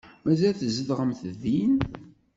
Mazal tzedɣemt din?